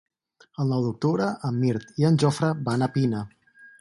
El nou d'octubre en Mirt i en Jofre van a Pina.